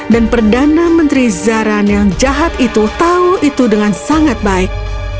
dan perdana menteri zaran yang jahat itu tahu itu dengan sangat baik